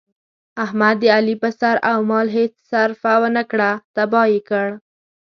احمد د علي په سر او مال هېڅ سرفه ونه کړه، تیاه یې کړ.